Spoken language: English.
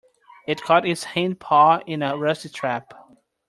It caught its hind paw in a rusty trap.